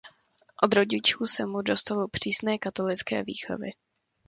Od rodičů se mu dostalo přísné katolické výchovy.